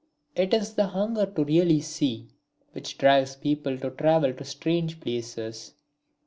It is the hunger to really see which drives people to travel to strange places.